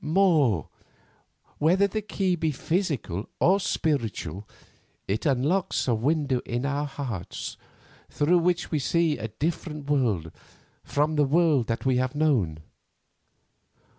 More—whether the key be physical or spiritual, it unlocks a window in our hearts through which we see a different world from the world that we have known.